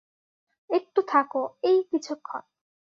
একটু থাকো, এই কিছুক্ষণ।